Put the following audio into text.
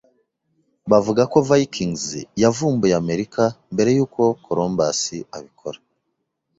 Bavuga ko Vikings yavumbuye Amerika mbere yuko Columbus abikora.